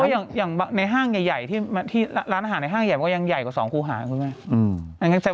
อย่างในห้างใหญ่ที่ร้านอาหารในห้างใหญ่มันก็ยังใหญ่กว่า๒ครูหาคุณแม่